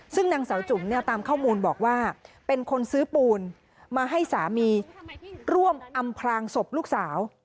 ซึ่งนางสาวจุ๋มเนี่ยตามข้อมูลบอกว่าเป็นคนซื้อปูนมาให้สามีร่วมอำพลางศพลูกสาว